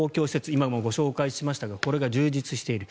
今もご紹介しましたがこれが充実している。